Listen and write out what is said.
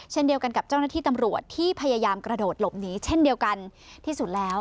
เช่นเดียวกันกับเจ้าหน้าที่ตำรวจที่พยายามกระโดดหลบหนีเช่นเดียวกันที่สุดแล้ว